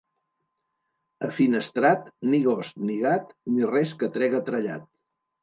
A Finestrat, ni gos ni gat ni res que trega trellat.